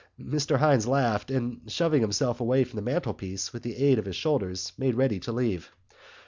Mr Hynes laughed and, shoving himself away from the mantelpiece with the aid of his shoulders, made ready to leave.